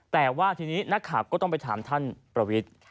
แต่นักขับก็ต้องไปถามท่านประวิศ